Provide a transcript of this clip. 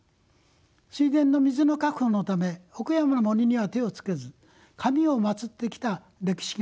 水田の水の確保のため奥山の森には手をつけず神を祀ってきた歴史があります。